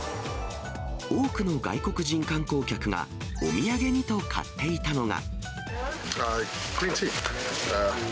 多くの外国人観光客が、お土産にと買っていたのが。